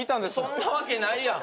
そんなわけないやん。